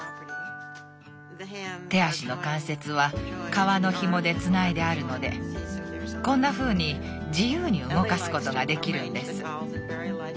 手足の関節は革のひもでつないであるのでこんなふうに自由に動かすことができるんです。